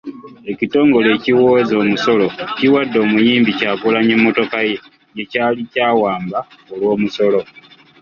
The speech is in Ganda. Ekitongole ekiwooza omusolo kiwadde omuyimbi Kyagulanyi emmotoka ye gye kyali kyawamba olw’omusolo.